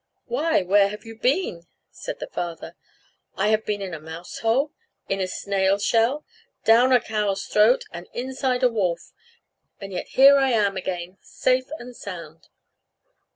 "Why, where have you been?" said the father. "I have been in a mouse hole, in a snail shell, down a cow's throat, and inside the wolf; and yet here I am again safe and sound."